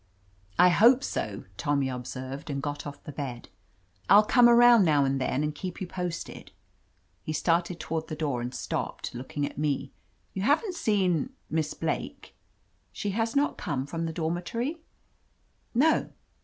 "I hope so," Tommy observed and got off the bed. "I'll come around now and then and keep you posted." He started toward the door and stopped, looking at me. "You haven't seen — Miss Blake? She has not come from the dormitory?" "No."